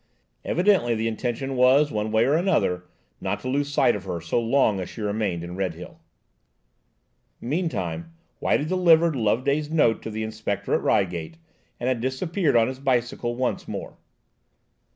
Evidently the intention was, one way or another, not to lose sight of her so long as she remained in Redhill. Meantime, White had delivered Loveday's note to the Inspector at Reigate, and had disappeared on his bicycle once more.